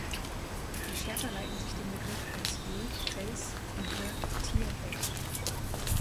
Die Sherpa leiten sich den Begriff aus "Ye" ‚Fels‘ und "The" ‚Tier‘ her.